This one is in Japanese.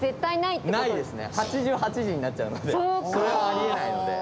ないですね８８時になっちゃうので。